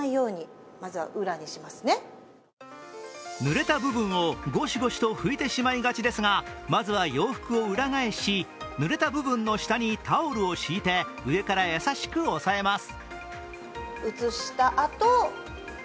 ぬれた部分をごしごしと拭いてしまいがちですがまずは洋服を裏返しぬれた部分の下にタオルを敷いて上から優しく押さえます。